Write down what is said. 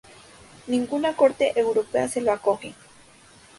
Ninguna corte europea se lo acoge.